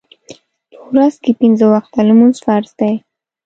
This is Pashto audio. په ورځ کې پینځه وخته لمونځ فرض دی.